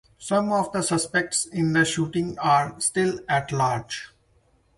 Some of the suspects in the shooting are still at large.